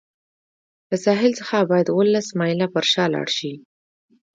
له ساحل څخه باید اوولس مایله پر شا لاړ شي.